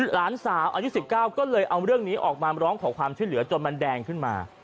หลานสาวอายุ๑๙ก็เลยเอาเรื่องนี้ออกมาร้องขอความช่วยเหลือจนมันแดงขึ้นมา